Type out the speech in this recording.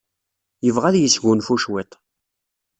Yebɣa ad yesgunfu cwiṭ.